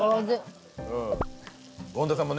権田さんもね。